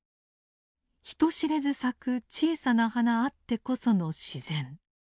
人知れず咲く小さな花あってこその自然。